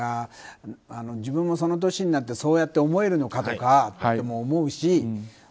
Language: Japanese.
自分もその年になってそうやって思えるのかとか思うし。